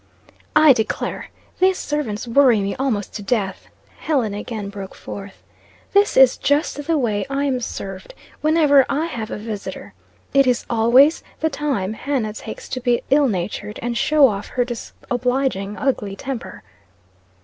"I declare! these servants worry me almost to death!" Helen again broke forth. "This is just the way I am served whenever I have a visiter. It is always the time Hannah takes to be ill natured and show off her disobliging, ugly temper."